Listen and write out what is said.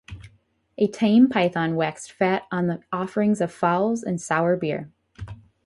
A tame python waxed fat on the offerings of fowls and sour beer.